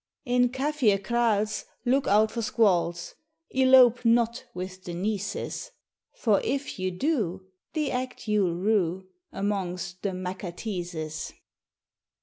In Kaffir kraals, look out for squalls; Elope not with the "nieces," For if you do, the act you'll rue Amongst the "Makateses."